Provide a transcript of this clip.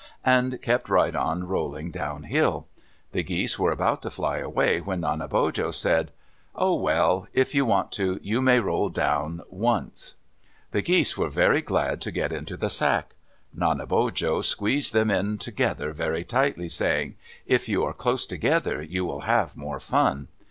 and kept right on rolling downhill. The geese were about to fly away when Nanebojo said, "Oh, well. If you want to, you may roll down once." The geese were very glad to get into the sack. Nanebojo squeezed them in together very tightly, saying, "If you are close together, you will have more fun."